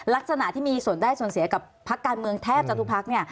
ลักษณะที่มีส่วนได้ส่วนเสียกับพักการเมืองแทบจะทุกพักเนี่ย